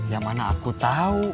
ya mana aku tau